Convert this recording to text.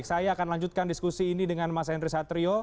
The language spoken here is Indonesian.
saya akan lanjutkan diskusi ini dengan mas henry satrio